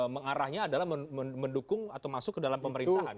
mengarahnya adalah mendukung atau masuk ke dalam pemerintahan